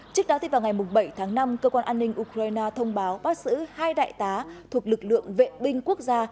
trước đó vào ngày bảy tháng năm cơ quan an ninh ukraine thông báo bắt giữ hai đại tá thuộc lực lượng vệ binh quốc gia